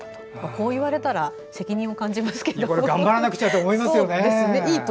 こう言われたら責任を感じますよね。